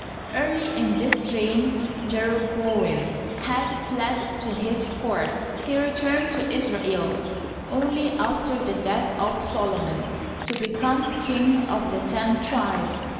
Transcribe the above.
Early in this reign Jeroboam had fled to his court. He returned to Israel only after the death of Solomon, to be come king of the ten tribes.